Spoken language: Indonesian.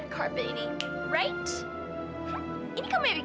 si grupu kali ini mau nyari perhatian sama si laura